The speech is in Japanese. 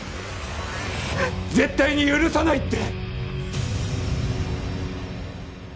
絶対に許さないって！